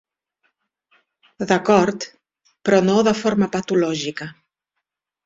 D'acord, però no de forma patològica.